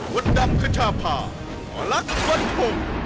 วัดดำขชาพาอลักษมณฑง